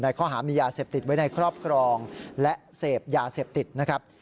ข้อหามียาเสพติดไว้ในครอบครองและเสพยาเสพติดนะครับ